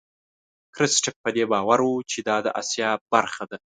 کرستیف په دې باور و چې دا د آسیا برخه ده.